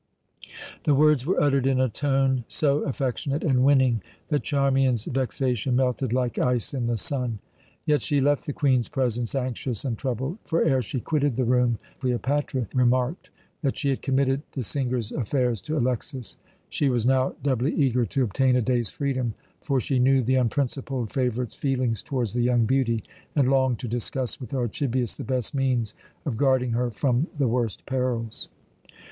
The words were uttered in a tone so affectionate and winning, that Charmian's vexation melted like ice in the sun. Yet she left the Queen's presence anxious and troubled; for ere she quitted the room Cleopatra remarked that she had committed the singer's affairs to Alexas. She was now doubly eager to obtain a day's freedom, for she knew the unprincipled favourite's feelings towards the young beauty, and longed to discuss with Archibius the best means of guarding her from the worst perils.